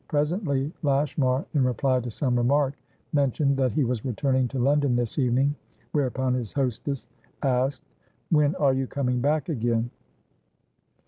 Presently, Lashmar, in reply to some remark, mentioned that he was returning to London this evening whereupon his hostess asked: "When are you coming back again?"